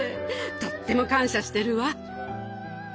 とっても感謝してるわ。